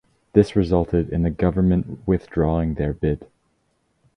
This resulted in the government withdrawing their bid.